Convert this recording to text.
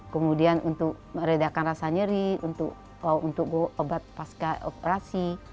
kemudian untuk meredakan rasa nyeri untuk obat pasca operasi